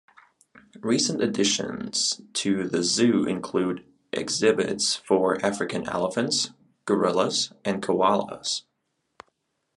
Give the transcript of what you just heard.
Recent additions to the zoo include exhibits for African elephants, gorillas, and koalas.